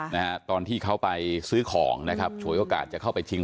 นะฮะตอนที่เขาไปซื้อของนะครับฉวยโอกาสจะเข้าไปชิง